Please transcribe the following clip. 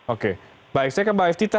oke baik saya ke mbak eftita